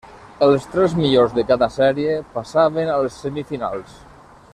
Els tres millors de cada sèrie passaven a les semifinals.